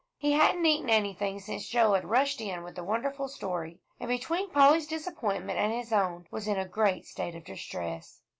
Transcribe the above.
He hadn't eaten anything since Joel had rushed in with the wonderful story, and between Polly's disappointment and his own, was in a great state of distress.